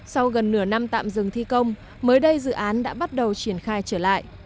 sau gần nửa năm tạm dừng thi công mới đây dự án đã bắt đầu triển khai trở lại